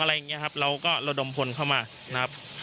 อะไรอย่างนี้ครับเราก็ระดมพลเข้ามานะครับ